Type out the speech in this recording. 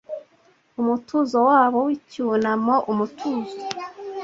Umutuzo wabo w'icyunamo; umutuzo,